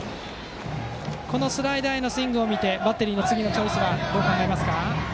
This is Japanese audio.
スライダーへのスイングを見てバッテリーの次どう考えますか。